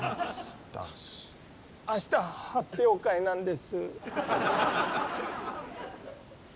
あした発表会なんです。